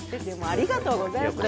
ありがとうございます